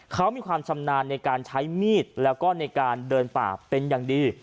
เขามีความชำนาญในการใช้มีดแล้วก็ในการเดินป่าเป็นอย่างดี